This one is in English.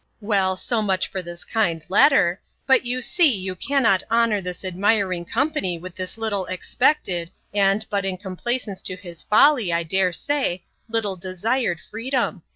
Well, so much for this kind letter! But you see you cannot honour this admiring company with this little expected, and, but in complaisance to his folly, I dare say, little desired freedom.